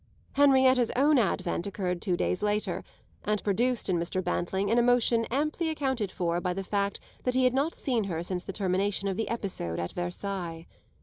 Henrietta's own advent occurred two days later and produced in Mr. Bantling an emotion amply accounted for by the fact that he had not seen her since the termination of the episode at Versailles.